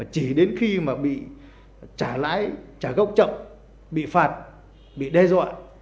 chỉ đến khi mà bị trả lãi trả gốc chậm bị phạt bị đe dọa